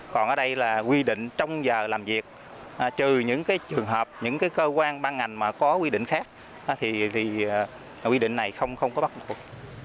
còn ở đây là quy định trong giờ làm việc trừ những trường hợp những cái cơ quan ban ngành mà có quy định khác thì quy định này không có bắt buộc